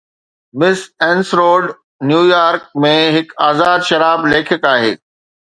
مس اينسروڊ New York ۾ هڪ آزاد شراب ليکڪ آهي